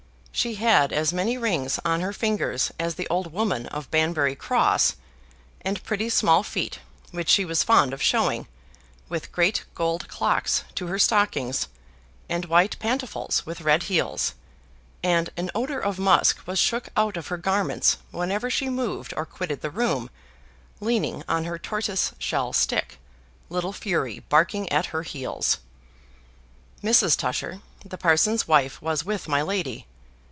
She had as many rings on her fingers as the old woman of Banbury Cross; and pretty small feet which she was fond of showing, with great gold clocks to her stockings, and white pantofles with red heels; and an odor of musk was shook out of her garments whenever she moved or quitted the room, leaning on her tortoise shell stick, little Fury barking at her heels. Mrs. Tusher, the parson's wife, was with my lady.